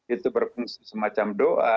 itu berfungsi semacam doa